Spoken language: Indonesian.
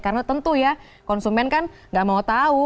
karena tentu ya konsumen kan nggak mau tahu